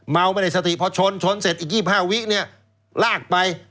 ไม่ได้สติพอชนชนเสร็จอีก๒๕วิเนี่ยลากไป